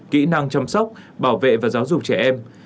kỹ năng chăm sóc bảo vệ và giáo dục trẻ em